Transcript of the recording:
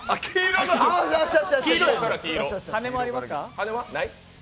羽根はない？